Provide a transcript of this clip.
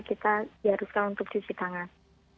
kita diharuskan untuk cuci tangan